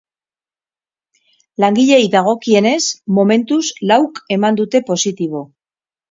Langileei dagokienez, momentuz lauk eman dute positibo.